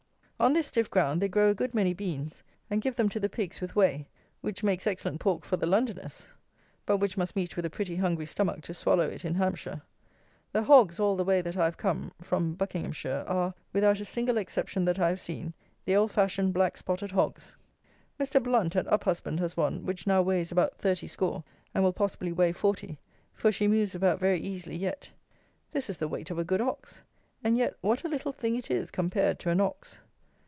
On this stiff ground they grow a good many beans, and give them to the pigs with whey; which makes excellent pork for the Londoners; but which must meet with a pretty hungry stomach to swallow it in Hampshire. The hogs, all the way that I have come, from Buckinghamshire, are, without a single exception that I have seen, the old fashioned black spotted hogs. Mr. BLOUNT at Uphusband has one, which now weighs about thirty score, and will possibly weigh forty, for she moves about very easily yet. This is the weight of a good ox; and yet, what a little thing it is compared to an ox!